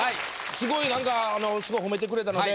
すごい何かあのすごい褒めてくれたので。